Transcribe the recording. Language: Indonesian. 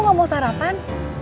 kamu gak mau sarapan